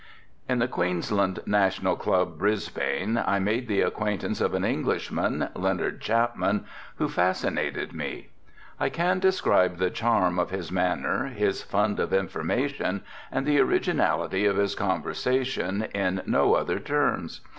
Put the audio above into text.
At the Queensland National Club, Brisbane, I made the acquaintance of an Englishman, Leonard Chapman, who fascinated me. I can describe the charm of his manner, his fund of information, and the originality of his conversation in no other terms.